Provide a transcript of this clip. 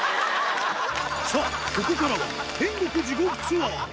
さあ、ここからは、天国地獄ツアー。